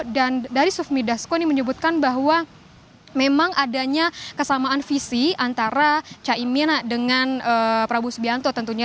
dan dari sufmi dasko ini menyebutkan bahwa memang adanya kesamaan visi antara caimin dengan prabowo subianto tentunya